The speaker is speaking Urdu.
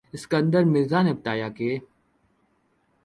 اسکندر مرزا نے بتایا کہ